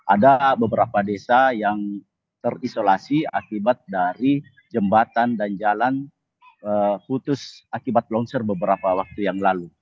ada beberapa desa yang terisolasi akibat dari jembatan dan jalan putus akibat longsor beberapa waktu yang lalu